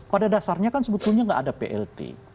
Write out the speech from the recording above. pada dasarnya kan sebetulnya nggak ada plt